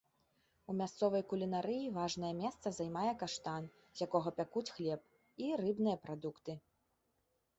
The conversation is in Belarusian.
У мясцовай кулінарыі важнае месца займае каштан, з якога пякуць хлеб, і рыбныя прадукты.